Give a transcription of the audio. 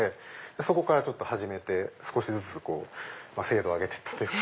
そこから始めて少しずつ精度を上げてったというか。